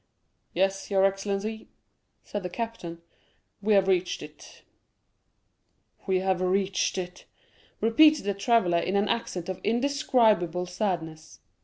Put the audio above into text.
"Yes, your excellency," said the captain, "we have reached it." "We have reached it!" repeated the traveller in an accent of indescribable sadness.